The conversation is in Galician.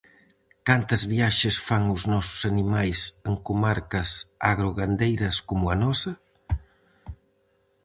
Cantas viaxes fan os nosos animais en comarcas agro-gandeiras como a nosa?